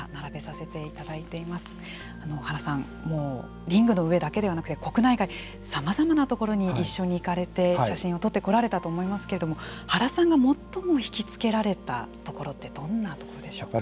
もうリングの上だけではなくて国内外のさまざまな所に一緒に行かれて写真を撮ってこられたと思いますけれども原さんが最も引き付けられたところってどんなところでしょう。